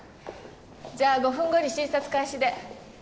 じゃあ５分後に診察開始で。